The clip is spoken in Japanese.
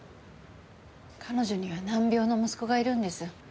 彼女には難病の息子がいるんです。